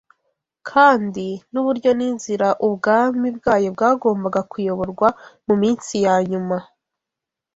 kandi n’uburyo n’inzira ubwami bwayo bwagombaga kuyoborwa mu minsi ya nyuma